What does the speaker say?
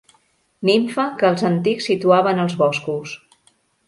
Nimfa que els antics situaven als boscos.